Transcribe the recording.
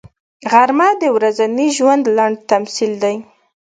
غرمه د ورځني ژوند لنډ تمثیل دی